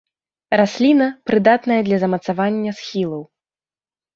Расліна прыдатная для замацавання схілаў.